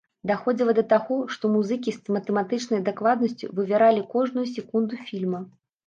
Даходзіла да таго, што музыкі з матэматычнай дакладнасцю вывяралі кожную секунду фільма.